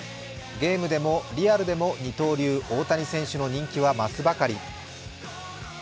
ゲームでもリアルでも二刀流、大谷選手の人気は増すばかり。